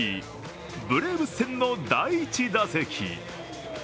ブレーブス戦の第１打席。